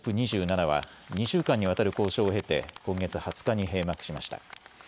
２７は２週間にわたる交渉を経て今月２０日に閉幕しました。